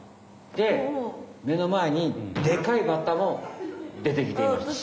で目のまえにでかいバッタも出てきていました。